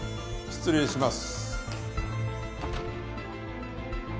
失礼します。